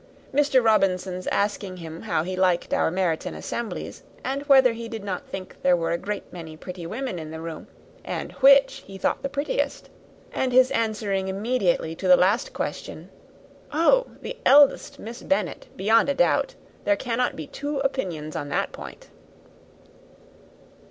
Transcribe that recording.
Mr. Robinson's asking him how he liked our Meryton assemblies, and whether he did not think there were a great many pretty women in the room, and which he thought the prettiest? and his answering immediately to the last question, 'Oh, the eldest Miss Bennet, beyond a doubt: there cannot be two opinions on that point.